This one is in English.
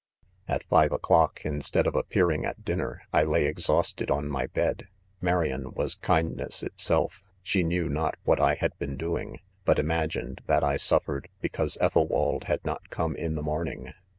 ■ i At five o'clock, instead 'of appearing at dinner, I lay exhausted on my bed. Marian was kindness itself; she knew not what I had been doing, but imagined that I suffered be° causer 'Ethelwald had not come in the morning.